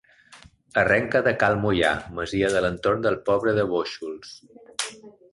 Arrenca de Cal Moià, masia de l'entorn del poble de Bóixols.